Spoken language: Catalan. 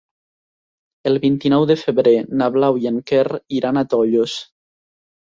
El vint-i-nou de febrer na Blau i en Quer iran a Tollos.